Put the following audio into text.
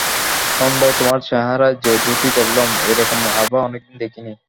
সন্ধ্যায় তোমার চেহারায় যে দ্যুতি দেখলাম, এরকম আভা অনেকদিন দেখিনি!